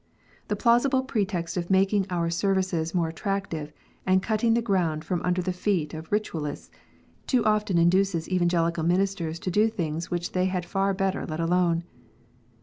The plausible pretext of making our services more attractive, and cutting the ground from under the feet of Ritualists, too often induces Evangelical ministers to do things which they had far better let alone.